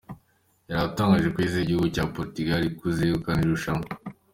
Yaraye atangaje ko yizeye ko igihugu cye cya Portugal kizegukana iri rushanwa.